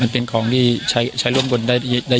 เป็นของใช้ร่วมกลได้เยอะกว่า